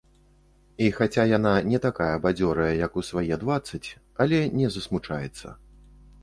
І хаця яна не такая бадзёрая, як у свае дваццаць, але не засмучаецца.